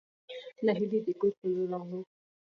نهېلى د کور په لور راغلو.